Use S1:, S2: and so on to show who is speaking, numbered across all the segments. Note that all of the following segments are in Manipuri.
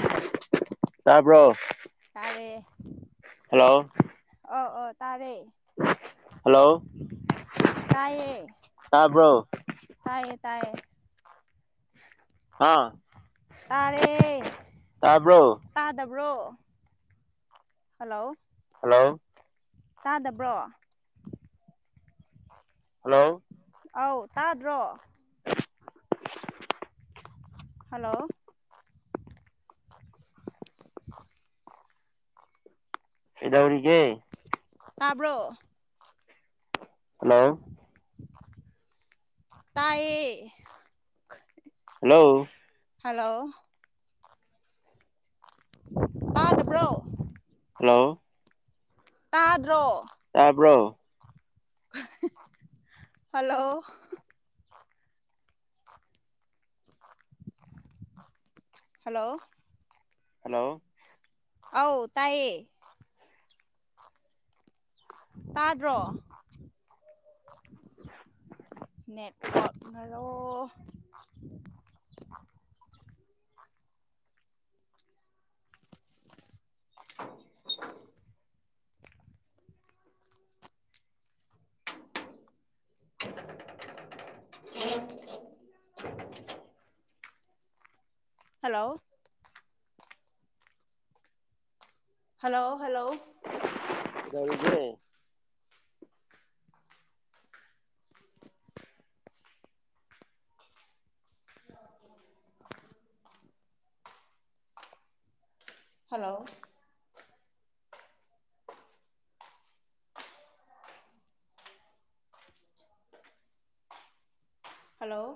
S1: ꯍꯜꯂꯣ
S2: ꯇꯥꯕꯔ‌ꯣ
S1: ꯇꯥꯔꯦ ꯑꯣ ꯑꯣ ꯇꯥꯔꯦ
S2: ꯍꯜꯂꯣ
S1: ꯇꯥꯏꯌꯦ
S2: ꯇꯥꯕ꯭ꯔꯣ
S1: ꯇꯥꯏꯌꯦ ꯇꯥꯏꯌꯦ
S2: ꯑꯥ
S1: ꯇꯥꯔꯦ
S2: ꯇꯥꯕ꯭ꯔꯣ
S1: ꯇꯥꯗꯕ꯭ꯔꯣ ꯍꯜꯂꯣ
S2: ꯍꯜꯂꯣ
S1: ꯇꯥꯗꯕ꯭ꯔꯣ
S2: ꯍꯜꯂꯣ
S1: ꯑꯥꯎ ꯇꯥꯗ꯭ꯔꯣ ꯍꯜꯂꯣ
S2: ꯀꯩꯗꯧꯔꯤꯒꯦ
S1: ꯇꯥꯕ꯭ꯔꯣ
S2: ꯍꯜꯂꯣ
S1: ꯇꯥꯏꯌꯦ
S2: ꯍꯜꯂꯣ
S1: ꯍꯜꯂꯣ ꯇꯥꯗꯕ꯭ꯔꯣ
S2: ꯍꯜꯂꯣ
S1: ꯇꯥꯗ꯭ꯔꯣ
S2: ꯇꯥꯕ꯭ꯔꯣ
S1: ꯍꯜꯂꯣ ꯍꯜꯂꯣ
S2: ꯍꯜꯂꯣ
S1: ꯑꯧ ꯇꯥꯏꯌꯦ ꯇꯥꯗ꯭ꯔꯣ ꯅꯦꯠꯋꯥꯛ ꯅꯔꯣ [unintelligible] ꯑꯣ [inaudible] ꯍꯜꯂꯣ ꯍꯜꯂꯣ ꯍꯜꯂꯣ
S2: ꯀꯩꯗꯧꯔꯤꯒ‌ꯦ
S1: [unintelligible] ꯍꯜꯂꯣ ꯍꯜꯂꯣ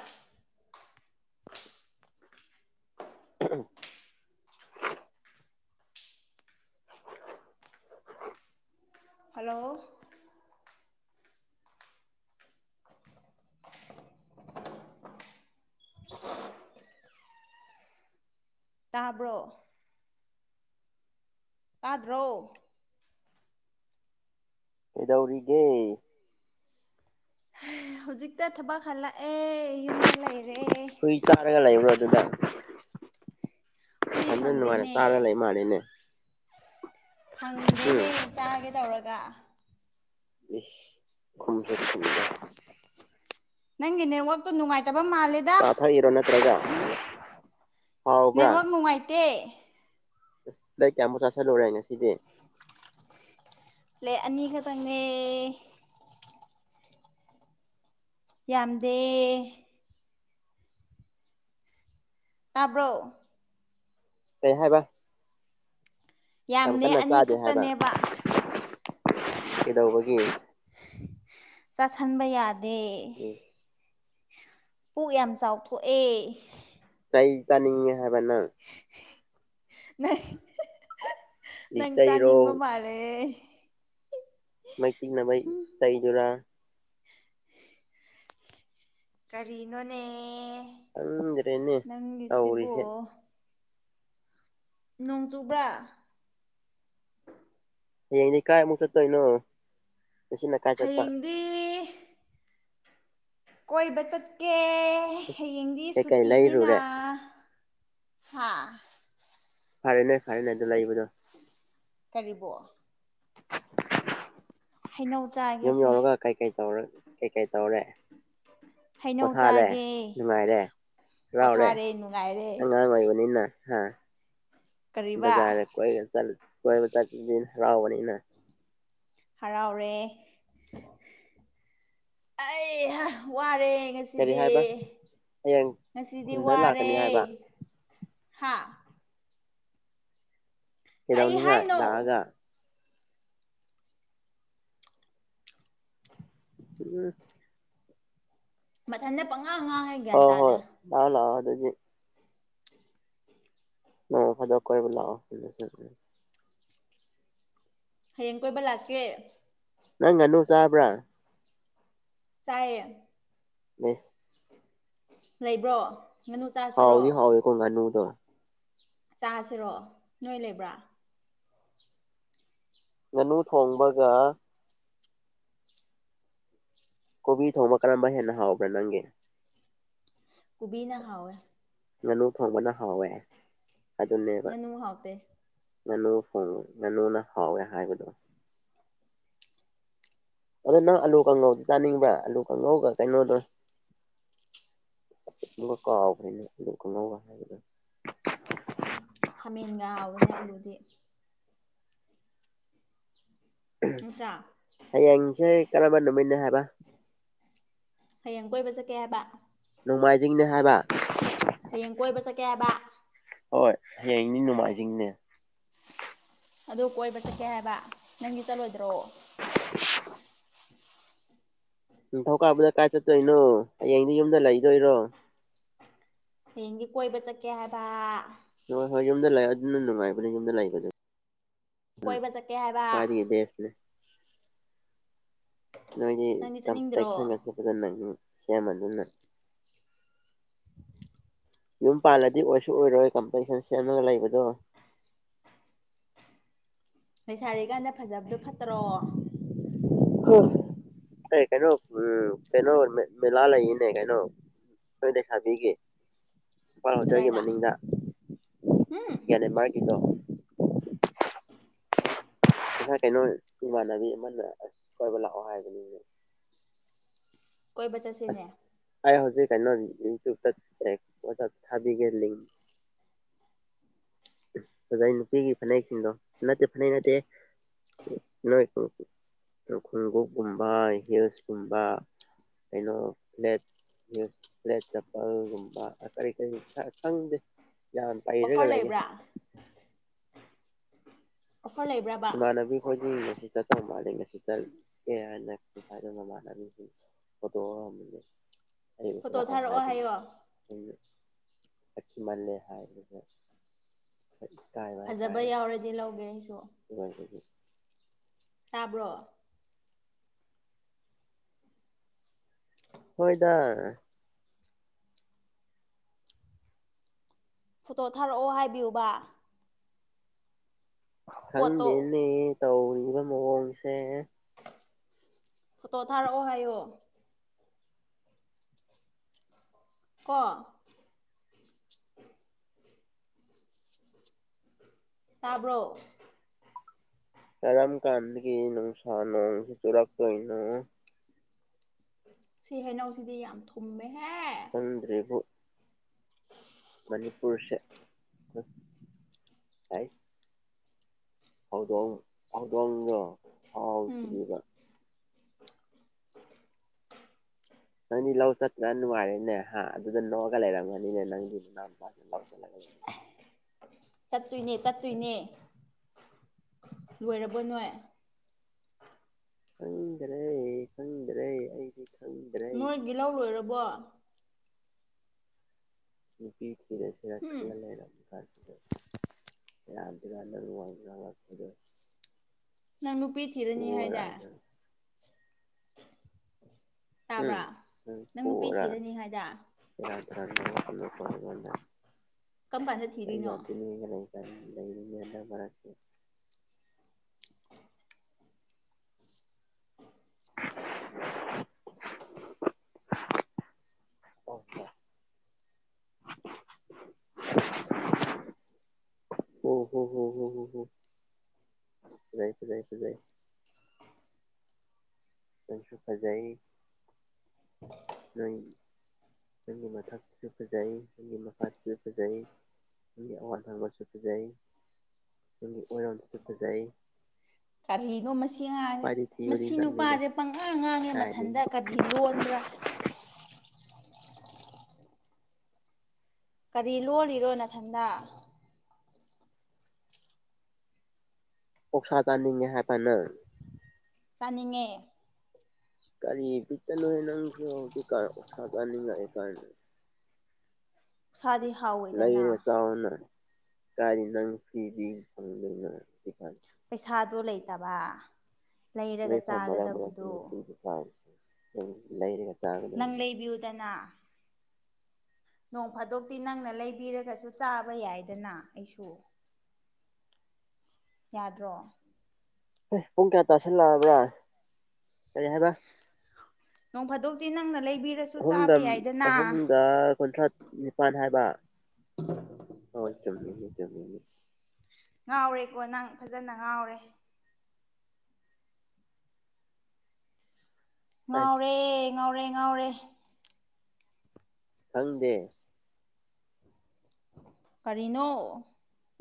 S2: ꯎ [inaudible]
S1: ꯍꯜꯂꯣ ꯇꯥꯕ꯭ꯔꯣ ꯇꯥꯗ꯭ꯔꯣ
S2: ꯀꯩꯗꯧꯔꯤꯒꯦ
S1: ꯍꯧꯖꯤꯛꯇ ꯊꯕꯛ ꯍꯜꯂꯛꯑꯦ ꯌꯨꯝꯗ ꯂꯩꯔꯦ
S2: ꯀ꯭ꯔꯤ ꯆꯥꯔꯒ ꯂꯩꯕ꯭ꯔꯣ ꯑꯗꯨꯗ
S1: ꯍꯨꯏ
S2: ꯑꯗꯨꯗ ꯅꯨꯡꯉꯥꯢꯅ
S1: ꯐꯪꯗꯦꯅꯦ
S2: ꯆꯔꯥ ꯂꯩ ꯃꯥꯜꯂꯦꯅꯦ ꯎꯝ
S1: ꯐꯪꯗꯦꯅꯦ ꯆꯥꯒꯦ ꯇꯧꯔꯒ
S2: ꯈꯨꯝꯁꯠ ꯊ [inaudible]
S1: ꯅꯪꯒꯤ ꯅꯦꯠꯋꯥꯛꯛꯇꯣ ꯅꯨꯡꯉꯥꯏꯇꯕ ꯃꯥꯜꯂꯦꯗ
S2: ꯆꯥ ꯊꯛꯏꯔꯣ ꯅꯠꯇ꯭ꯔꯒ ꯍꯥꯎꯕ꯭ꯔꯥ
S1: ꯅꯦꯠꯋꯥꯛ ꯅꯨꯡꯉꯥꯏꯇꯦ
S2: ꯕꯔꯦꯠ ꯀꯌꯥꯃꯨꯛ ꯆꯥꯥꯁꯥꯜꯂꯨꯔꯦ ꯉꯁꯤꯗꯤ
S1: ꯕꯔꯦꯠ ꯑꯅꯤ ꯈꯛꯇꯪꯅꯦ ꯌꯥꯝꯗꯦ ꯇꯥꯕ꯭ꯔꯣ
S2: ꯀꯩ ꯍꯥꯏꯕ ꯌꯥꯝ
S1: ꯌꯥꯝꯗꯦ
S2: ꯀꯟꯅ
S1: ꯑꯅꯤ
S2: ꯆꯥꯗꯦ ꯍꯥꯏꯕ
S1: ꯈꯛꯇꯅꯦꯕ
S2: ꯀꯩꯗꯧꯕꯒꯤ
S1: ꯆꯥꯁꯤꯟꯕ ꯌꯥꯗꯦ
S2: ꯏꯁ
S1: ꯄꯨꯛ ꯌꯥꯝ ꯆꯥꯎꯊꯣꯛꯑꯦ
S2: ꯀꯩ ꯆꯥꯅꯤꯡꯉꯦ ꯍꯥꯏꯕ ꯅꯪ
S1: ꯅꯪ ꯅꯪ ꯆꯥꯅꯤꯡꯕ
S2: ꯂꯤꯆꯩꯔꯣ
S1: ꯃꯥꯜꯂꯦ
S2: ꯃ ꯇꯤꯅ ꯇꯥꯏꯖꯣꯔꯥ [inaudible]
S1: ꯀꯔꯤꯅꯣꯅꯦ
S2: ꯈꯪꯗ꯭ꯔꯦꯅꯦ
S1: ꯅꯪꯒꯤꯁꯤꯕꯨ
S2: ꯇꯧꯔꯤꯁꯦ
S1: ꯅꯣꯡ ꯆꯨꯕ꯭ꯔꯥ
S2: ꯍꯌꯦꯡꯗꯤ ꯀꯥꯏꯃꯨꯛ ꯆꯠꯇꯣꯏꯅꯣ ꯑꯁꯤꯅ ꯀꯥꯏ ꯆꯠꯄ
S1: [inaudible] ꯀꯣꯏꯕ ꯆꯠꯀꯦ ꯍꯌꯦꯡꯗꯤ
S2: ꯀꯩꯀꯩ
S1: ꯁꯨꯇꯤꯅꯤꯅ
S2: ꯂꯩꯔꯨꯔꯦ
S1: ꯍꯥꯥ
S2: ꯐꯔꯦꯅꯦ ꯐꯔꯦꯅꯦ ꯑꯗꯨ ꯂꯩꯕꯗꯣ
S1: ꯀꯔꯤꯕꯣ
S2: [inaudible]
S1: ꯍꯩꯅꯧꯖꯥꯠ
S2: ꯌꯨꯝ ꯌꯧꯔꯒ ꯀꯩꯀꯩ ꯇꯧꯔ ꯀꯩ ꯀꯩ ꯇꯧꯔꯦ꯫
S1: ꯍꯩꯅꯧ
S2: ꯄꯣꯊꯥꯔꯦ
S1: ꯆꯥꯒꯦ
S2: ꯅꯨꯡꯉꯥꯏꯔꯦ꯫ ꯍꯔꯥꯎꯔꯦ
S1: ꯄꯣꯊꯥꯔꯦ ꯅꯨꯡꯉꯥꯏꯔꯦ
S2: ꯍꯥꯡ ꯑꯣꯏꯕꯅꯤꯅ ꯍꯥ
S1: ꯀꯔꯤꯕ
S2: ꯕꯖꯥꯔꯗ ꯀꯣꯏꯠ ꯀꯣꯏꯕ ꯆꯠꯄ ꯍꯔꯥꯎꯕꯅꯤꯅ
S1: ꯍꯔꯥꯎꯔꯦ ꯑꯩ ꯋꯥꯔꯦ ꯉ
S2: ꯀꯔꯤ
S1: ꯉꯁꯤꯗꯤ
S2: ꯍꯥꯏꯕ ꯍꯌꯦꯡ
S1: ꯉꯁꯤꯗꯤ
S2: ꯈꯨꯟꯗ
S1: ꯋꯥꯔꯦ
S2: ꯂꯥꯛꯀꯅꯤ ꯍꯥꯏꯕ
S1: ꯍꯥ ꯀꯩ
S2: ꯌꯦꯗꯧꯅꯤꯡꯒ
S1: ꯍꯥꯏꯅꯣ
S2: ꯒ ꯎ
S1: ꯃꯊꯟꯇ ꯄꯪꯉꯥꯡ ꯑꯉꯥꯡꯉꯦ ꯒ꯭ꯌꯥꯟ ꯇꯥꯗꯦ꯫
S2: ꯍꯂ ꯑꯗꯨꯗꯒꯤ꯫ ꯑ ꯐꯗꯣꯛ ꯀꯂꯑꯣ꯫
S1: ꯍꯌꯦꯡ ꯀꯣꯏꯕ ꯂꯥꯛꯀꯦ꯫
S2: ꯅꯪ ꯉꯅꯨ ꯆꯥꯕ꯭ꯔꯥ
S1: ꯆꯥꯏꯌꯦ꯫
S2: [unintelligible]
S1: ꯂꯩꯕ꯭ꯔꯣ ꯉꯥꯅꯨ ꯆꯥꯁꯤꯔꯣ
S2: ꯍꯥꯎꯗꯤ ꯍꯥꯎꯋꯤꯀꯣ ꯉꯥꯅꯨꯗꯣ
S1: ꯆꯥꯁꯤꯔꯣ ꯅꯣꯏ ꯂꯩꯕ꯭ꯔꯥ
S2: ꯉꯥꯅꯨ ꯊꯣꯡꯕꯒ ꯀꯣꯕꯤ ꯊꯣꯡꯕ ꯀꯔꯝꯕ ꯍꯦꯟꯅ ꯍꯥꯎꯕ꯭ꯔꯥ ꯅꯪꯒꯤ
S1: ꯀꯨꯕꯤꯅ ꯈꯋꯦ꯫
S2: ꯉꯥꯅꯨ ꯊꯣꯡꯕꯅ ꯍꯥꯎꯋꯦ ꯑꯗꯨꯅꯦꯕ
S1: ꯉꯥꯅꯨ ꯍꯥꯎꯇꯦ
S2: ꯉꯥꯅꯨ ꯍꯣꯡꯉꯨꯏ ꯉꯥꯅꯨꯅ ꯍꯥꯎꯋꯦ ꯍꯥꯏꯕꯗꯣ ꯑꯗꯣ ꯅꯪ ꯑꯥꯂꯨ ꯀꯥꯡꯉꯧꯗꯨꯣ ꯆꯥꯅꯤꯡꯕ꯭ꯔꯥ ꯑꯥꯂꯨ ꯀꯥꯡꯉꯧꯒ ꯀꯩꯅꯣꯗꯣ ꯑꯁ ꯑꯗꯨꯒ ꯀꯥꯎꯈ꯭ꯔꯅꯤꯅꯦ ꯑꯗꯨ ꯀꯅꯧꯕ ꯍꯥꯏꯕꯗ
S1: ꯈꯥꯃꯦꯟꯒ ꯍꯥꯎꯕꯅꯦ ꯑꯂꯨꯗꯤ꯫ ꯅꯠꯇ꯭ꯔꯥ
S2: ꯍꯌꯦꯡꯁꯦ ꯀꯔꯝꯕ ꯅꯨꯃꯤꯠꯅ ꯍꯥꯏꯕ
S1: ꯍꯌꯦꯡ ꯀꯣꯏꯕ ꯆꯠꯀꯦ ꯍꯥꯏꯕ
S2: ꯅꯣꯡꯃꯥꯏꯖꯤꯡꯅꯤ ꯍꯥꯏꯕ
S1: ꯍꯌꯦꯡ ꯀꯣꯏꯕ ꯆꯠꯀꯦ ꯍꯥꯏꯕ
S2: ꯍꯣꯏ ꯍꯌꯦꯡꯅꯤ ꯅꯣꯡꯃꯥꯏꯖꯤꯡꯅꯦ꯫
S1: ꯑꯗꯨ ꯀꯣꯏꯕ ꯆꯠꯀꯦ ꯍꯥꯏꯕ ꯅꯪꯗꯤ ꯆꯠꯂꯣꯏꯗ꯭ꯔꯣ
S2: [inaudible] ꯅꯤꯡ ꯊꯧꯀꯥꯕꯨꯗ ꯀꯥꯏ ꯆꯠꯇꯣꯏꯅꯣ ꯍꯌꯦꯡꯗ ꯌꯨꯝꯗ ꯂꯩꯗꯣꯏꯔꯣ꯫
S1: ꯍꯌꯦꯡꯒꯤ ꯀꯣꯏꯕ ꯆꯠꯀꯦ ꯍꯥꯏꯕ
S2: ꯍꯣꯏ ꯍꯣꯏ ꯌꯨꯝꯗ ꯂꯩ ꯑꯗꯨꯅ ꯅꯨꯡꯉꯥꯏꯕꯅꯤ ꯌꯨꯝꯗ ꯂꯩꯕꯗꯨ
S1: ꯀꯣꯏꯕ ꯆꯠꯀꯦ ꯍꯥꯏꯕ
S2: ꯁꯦ
S1: ꯅꯪꯗꯤ ꯆꯠꯅꯤꯡꯗ꯭ꯔꯣ
S2: [unintelligible] ꯌꯨꯝ ꯄꯥꯜꯂꯗꯤ ꯑꯣꯏꯁꯨ ꯑꯣꯏꯔꯣꯏ ꯀꯝꯄꯤꯇꯤꯁꯟ ꯁꯦꯝꯃꯒ ꯂꯩꯕꯗꯣ
S1: ꯅ ꯁꯥꯔꯤꯛ ꯀꯥꯟꯗ ꯐꯖꯕꯗꯣ ꯐꯠꯇ꯭ꯔꯣ
S2: ꯀꯩꯅꯣ ꯎꯝ ꯀꯩꯅꯣ ꯃꯂꯥ ꯂꯩ ꯏꯅꯦ ꯀꯩꯅꯣ ꯁꯣꯏꯗꯁꯕꯤꯒꯤ꯫ ꯏꯝꯄꯥꯜ ꯍꯣꯇꯦꯜꯒꯤ
S1: ꯀꯗꯥꯏꯗ
S2: ꯃꯅꯤꯡꯗ
S1: ꯎꯝ
S2: ꯁꯤꯀꯗ ꯃꯥꯔꯒꯤꯗꯣ ꯉꯁꯥꯏ ꯀꯩꯅꯣ ꯏꯃꯥꯟꯅꯕꯤ ꯑꯃꯅ ꯑꯁ ꯀꯣꯏꯕ ꯂꯥꯛꯑꯣ ꯍꯥꯏꯕꯅꯤ꯫
S1: ꯀꯣꯏꯕ ꯆꯠꯁꯤꯅꯦ꯫
S2: ꯑꯥꯏ ꯍꯧꯖꯤ ꯀꯥꯏ ꯅ ꯌ ꯑꯣ ꯊꯕꯤꯒꯦ꯫ ꯉꯖꯥꯏ ꯅꯨꯄꯤꯒꯤ ꯐꯅꯦꯛꯁꯤꯡꯗꯣ ꯅꯠꯇꯦ ꯐꯅꯦꯛ ꯅꯠꯇꯦ ꯅꯣꯏ ꯈꯣꯡꯎꯞꯒꯨꯝꯕ ꯍꯤꯜꯁꯀꯨꯝꯕ ꯀꯩꯅꯣ ꯐ꯭ꯂꯦꯠ ꯭ꯂꯦꯠ ꯆꯄꯜꯒꯨꯝꯕ ꯀꯔꯤ ꯀꯔꯤ ꯈꯔ ꯈꯪꯗꯦ ꯌꯥꯝ ꯄꯩꯔꯒꯦ
S1: ꯑꯣꯐꯔ ꯂꯩꯕ꯭ꯔꯥ ꯑꯣꯐꯔ ꯂꯩꯕ꯭ꯔꯕ
S2: ꯏꯃꯥꯟꯅꯕꯤ ꯈꯣꯏꯗꯤ ꯉꯁꯤ ꯆꯠꯇꯧ ꯃꯥꯜꯂꯦ ꯉꯁꯤ ꯆꯠꯀꯦ ꯍꯥꯏꯅ ꯍꯥꯏꯗ ꯏꯃꯥꯟꯅꯕꯤꯁꯤꯡ ꯑꯗꯣ
S1: ꯐꯣꯇꯣ ꯊꯥꯔꯛꯑꯣ ꯍꯥꯏꯌꯣ
S2: ꯈ ꯃꯅꯦ ꯍꯥꯏꯥꯏ ꯇꯥꯏ
S1: ꯐꯖꯕ ꯌꯥꯎꯔꯗꯤ ꯂꯧꯒꯦ ꯑꯩꯁꯨ
S2: ꯍ
S1: ꯇꯥꯕ꯭ꯔꯣ
S2: ꯍꯣꯏꯗ
S1: ꯐꯣꯇꯣ ꯊꯥꯔꯛꯑꯣ ꯍꯥꯏꯕꯤꯌꯨꯕ ꯄꯣꯠꯇꯣ
S2: ꯈꯪꯗꯦꯅꯦ ꯇꯧꯔꯤꯕ ꯃꯑꯣꯡꯁꯦ
S1: ꯐꯣꯇꯣ ꯊꯥꯔꯛꯑꯣ ꯍꯥꯏꯌꯣ ꯀ ꯇꯥꯕ꯭ꯔꯣ
S2: ꯑꯔꯝ ꯀꯥꯟꯗꯗꯒꯤꯅꯨꯡ ꯁꯅꯣꯅꯨꯡꯁꯤ ꯆꯨꯔꯥꯛ ꯀꯅꯣ
S1: ꯁꯤ ꯍꯩꯅꯧꯁꯤꯗꯤ ꯌꯥꯝ ꯊꯨꯝꯃꯦꯍꯦ
S2: ꯅꯗ꯭ꯔꯦꯕꯨꯣ ꯃꯅꯤꯄꯨꯔꯁꯦ ꯍ ꯍꯧꯗꯣꯡ ꯍꯧꯗꯣꯡ
S1: ꯎꯝ
S2: ꯍꯥꯎꯁꯤꯕꯤꯔ ꯅꯪꯗꯤ ꯂꯧ ꯆꯠꯇꯄꯅ ꯅꯨꯡꯉꯥꯏꯔꯦꯅꯦ ꯍꯥ ꯑꯗꯨꯗ ꯅꯣꯛꯑꯒ ꯂꯩꯔꯝꯒꯅꯤꯅꯦ ꯅꯪꯗꯤ ꯅ
S1: ꯆꯠꯇꯣꯏꯅꯦ ꯆꯠꯇꯣꯏꯅꯦ
S2: ꯑꯁ
S1: ꯂꯣꯏꯔꯕ ꯅꯣꯏ
S2: ꯈꯪꯗꯔꯦ ꯈꯪꯗꯔꯦ ꯑꯩꯗꯤꯦ ꯈꯪꯗ꯭ꯔꯦ
S1: ꯅꯣꯏꯒꯤ ꯂꯧ ꯂꯣꯏꯔꯕꯣ
S2: ꯅꯨꯄꯤ ꯊꯤꯔꯁꯤꯔ
S1: ꯎꯝ
S2: ꯈꯜꯂ ꯂꯩꯔꯕꯝ ꯀꯥꯟꯁꯤꯗ ꯌꯥꯝꯗ ꯀꯅ ꯋꯥꯥꯛꯦ
S1: ꯅꯪ ꯅꯨꯄꯤ ꯊꯤꯔꯅꯤ
S2: ꯄꯣꯔꯥ
S1: ꯍꯥꯏꯗ
S2: ꯅꯪ
S1: ꯇꯥꯕ꯭ꯔꯥ ꯅꯪ ꯅꯨꯄꯤ
S2: ꯎꯝ
S1: ꯊꯤꯔꯅꯤ ꯍꯥꯏꯗ
S2: ꯎ ꯄꯔꯕ
S1: ꯀꯔꯝ ꯀꯥꯟꯗ ꯊꯤꯔꯤꯅꯣ
S2: ꯂꯩꯔꯤꯉꯅ ꯃꯔꯛꯁꯦ ꯑꯣ [unintelligible] ꯑꯣ ꯍꯣ ꯍꯣ ꯍ ꯍ ꯍ ꯔꯥꯏꯠ ꯔꯥꯏꯠ ꯌꯥꯥꯏ ꯀꯁꯨ ꯐꯖꯩ
S1: [unintelligible]
S2: ꯅꯣꯏ ꯅꯪꯒꯤ ꯃꯊꯛꯁꯨ ꯐꯖꯩ ꯅꯪꯒꯤ ꯃꯄꯥꯁꯨ ꯐꯖꯩ ꯒꯤ ꯑꯋꯥꯡ ꯊꯪꯕꯁꯨ ꯐꯖꯩ ꯅꯅꯨꯡꯒꯤ ꯑꯣꯏꯔꯣꯁꯨ ꯐꯖꯩ
S1: ꯀꯔꯤꯅꯣ ꯃꯁꯤ ꯉꯥꯡꯁꯦ
S2: ꯈ꯭ꯋꯥꯏꯗꯒꯤ ꯊꯤꯕꯗꯤ
S1: ꯃꯁꯤ
S2: ꯅꯪꯅꯤꯅ
S1: ꯅꯨꯄꯥꯁꯦ ꯄꯪꯉꯥꯡ ꯉꯥꯡꯉꯦ
S2: ꯀꯥꯏꯗꯒꯤ
S1: ꯃꯊꯟꯇ ꯀꯔꯤ ꯂꯣꯟꯕ꯭ꯔꯥ ꯀꯔꯤ ꯂꯣꯔꯤꯔꯣ ꯅꯊꯟꯗ
S2: ꯑꯣꯛꯁꯥ ꯇꯥꯅꯤꯡꯉꯦ ꯍꯥꯏ ꯐꯅ
S1: ꯆꯥꯅꯤꯡꯉꯦ
S2: ꯀꯒꯥꯔꯤ ꯄꯤꯛꯇ ꯂꯣꯏꯍꯦ ꯅꯪꯁꯨ ꯍꯧꯖꯤꯛ ꯁꯥꯖꯅꯤꯡꯉꯥꯏ ꯀꯅ
S1: ꯎꯁꯥꯗꯤ ꯍꯥꯎꯋꯦꯗꯅ
S2: ꯂꯩꯥꯏꯅꯦ ꯆꯥꯎꯎꯅ ꯀꯔꯤ ꯅꯪ ꯐ꯭ꯔꯤ ꯐꯥꯡꯖꯅꯀꯥꯟ
S1: ꯄꯩꯁꯥꯗꯣ ꯂꯩꯇꯕ ꯂꯩꯔꯒ ꯆꯥꯒꯗꯕꯗꯣ
S2: ꯍ ꯂꯔꯤ
S1: ꯅꯪ ꯂꯩꯕꯤꯌꯨꯗꯅ ꯅꯣꯡ ꯐꯥꯗꯣꯛꯇꯤ ꯅꯪꯅ ꯂꯩꯕꯤꯔꯒꯁꯨ ꯆꯥꯕ ꯌꯥꯏꯗꯅ ꯑꯩꯁꯨ ꯌꯥꯗ꯭ꯔꯣ
S2: ꯄꯨꯡ ꯀꯌꯥ ꯇꯁꯤꯜꯂꯛꯑꯕ꯭ꯔꯥ ꯀꯔꯤ ꯍꯥꯏ
S1: ꯅꯣꯡ ꯐꯥꯗꯣꯛꯇꯤ ꯅꯪꯅ ꯂꯩꯕꯤꯔꯁꯤ
S2: ꯑꯍꯨꯝꯗ ꯑꯍꯨꯝꯗ ꯀꯨꯟꯊ꯭ꯔꯥ ꯅꯤꯄꯥꯜ ꯍꯥꯏꯕ
S1: ꯍ [unintelligible]
S2: ꯍ ꯏ ꯆꯝꯅꯤ ꯏ ꯆꯝꯅꯤ
S1: ꯉꯥꯎꯔꯦꯀꯣ ꯅꯪ ꯐꯖꯅ ꯉꯥꯎꯔꯦ ꯉꯥꯎꯔꯦ
S2: ꯑꯁ
S1: ꯉꯥꯎꯔꯦ ꯉꯥꯎꯔꯦ
S2: ꯈꯪꯗꯦ
S1: ꯀꯔꯤꯅꯣ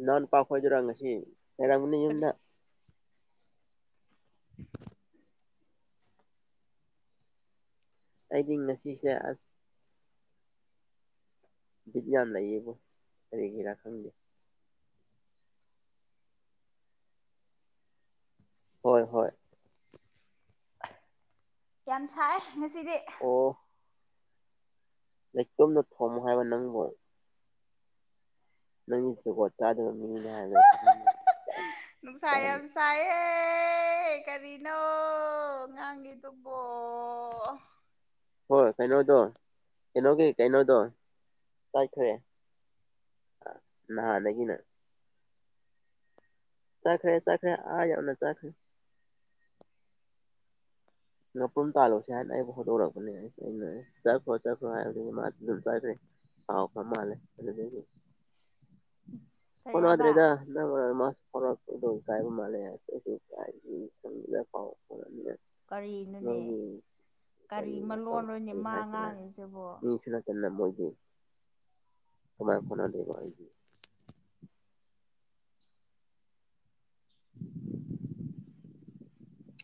S2: ꯅꯣꯟ ꯄꯥꯛꯈꯣꯏꯗꯔꯥ ꯉꯁꯤ ꯉꯔꯝꯒꯅꯤ
S1: ꯀꯔꯤ
S2: ꯌꯨꯝꯗ
S1: [unintelligible]
S2: ꯑꯩꯗꯤ ꯉꯁꯤꯁꯦ ꯑꯁ ꯕꯤꯠ ꯌꯥꯝ ꯂꯩꯌꯦꯕꯣ ꯀꯔꯤꯒꯤꯔꯥ ꯈꯪꯗꯦ ꯍꯣꯏ ꯍꯣꯏ
S1: ꯌꯥꯝ ꯁꯥꯏ ꯉꯁꯤꯗꯤ
S2: ꯑꯣ ꯂꯩꯇꯣꯝꯅ ꯊꯣꯝꯃꯣ ꯍꯥꯏꯕ ꯅꯪꯕꯣ ꯅꯪꯒꯤꯁꯨꯀꯣ ꯆꯥꯗꯕ ꯃꯤꯅꯦ ꯍꯥꯏꯕꯅ ꯑꯩ ꯈꯪ ꯆꯥꯃꯦ
S1: ꯁꯥꯏꯍꯦ ꯀꯔꯤꯅꯣ ꯉꯥꯡꯉꯤꯗꯨꯕꯣ
S2: ꯍꯣꯏ ꯀꯩꯅꯣꯗꯣ ꯀꯩꯅꯣꯒꯤ ꯀꯩꯅꯣꯗꯣ ꯆꯥꯏꯈ꯭ꯔꯦ ꯅ ꯅ ꯀꯅ ꯆꯥꯈꯔꯦ ꯆꯥꯛꯈꯔꯦ ꯌꯥꯥꯎꯅꯦ ꯆꯥꯛꯈꯔꯦ ꯅꯄ꯭ꯔꯨꯝ ꯇꯥꯜꯂꯨꯁꯤ ꯍꯥꯏꯅ ꯑꯩ ꯐꯣꯡꯗꯣꯔꯛꯄꯅꯦ ꯑꯩꯁ ꯑꯩꯅ ꯆꯠꯈ꯭ꯔꯣ ꯆꯠꯈ꯭ꯔꯣ ꯍꯥꯏꯕ ꯑꯗꯨꯝ ꯆꯠꯈ꯭ꯔꯦ ꯁꯥꯎ ꯀꯃꯂꯦ
S1: ꯀꯔꯤ ꯍꯥꯏꯕ
S2: ꯐꯅꯋꯥꯗ꯭ꯔꯦꯗ ꯃ ꯐꯔꯗ ꯃꯦ
S1: ꯀꯔꯤꯅ
S2: ꯅꯣꯏꯒꯤ ꯀꯔꯤ ꯑꯧꯕꯁꯤ
S1: ꯃꯂꯣꯟꯅꯣꯅꯦ
S2: ꯀꯔꯤ
S1: ꯃꯥ
S2: ꯍꯥꯏꯁꯤꯔ
S1: ꯉꯥꯡꯉꯤꯁꯤꯕꯣ
S2: ꯃꯤꯁꯨ ꯅ ꯇꯅ ꯃꯣꯏꯗꯤ ꯊꯃꯥꯏ ꯐ ꯂꯩꯕꯗꯤ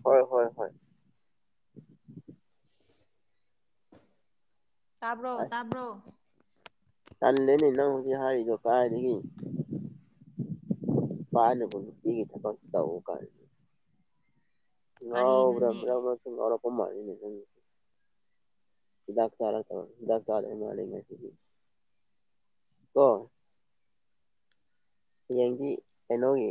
S2: ꯍꯣꯏ ꯍꯣꯏ ꯍ
S1: ꯇꯥꯕ꯭ꯔꯣ ꯇꯥꯕ꯭ꯔꯣ
S2: ꯆꯜꯗꯦꯅꯤ ꯅꯒꯤ ꯍꯥꯏꯗ ꯀꯥꯥꯏꯔꯤ ꯀꯥꯏꯅꯦ ꯄꯨ ꯄꯒꯤ ꯊꯀ ꯇ ꯀꯥꯏ ꯉꯕ꯭ꯔ
S1: ꯀꯔꯤꯅꯣꯅꯦ
S2: ꯔ ꯉꯔ ꯀ ꯃꯥꯅꯤꯅꯤ ꯗꯥꯛꯅ ꯃꯁꯤꯗꯤ ꯑꯣ ꯌꯦꯡꯒꯤ ꯀꯩꯅꯣꯒꯤ